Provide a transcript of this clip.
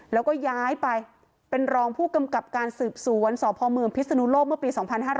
แล้วก็ย้ายไปเป็นรองผู้กำกับการสืบสวนสพเมืองพิศนุโลกเมื่อปี๒๕๕๙